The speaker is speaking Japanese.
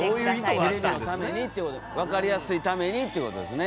分かりやすいためにということですね。